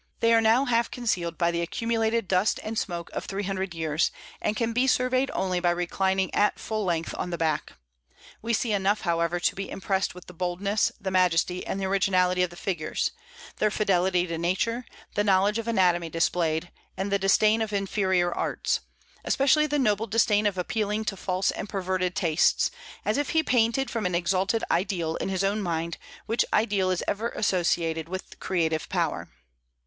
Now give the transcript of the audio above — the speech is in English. They are now half concealed by the accumulated dust and smoke of three hundred years, and can be surveyed only by reclining at full length on the back. We see enough, however, to be impressed with the boldness, the majesty, and the originality of the figures, their fidelity to nature, the knowledge of anatomy displayed, and the disdain of inferior arts; especially the noble disdain of appealing to false and perverted taste, as if he painted from an exalted ideal in his own mind, which ideal is ever associated with creative power.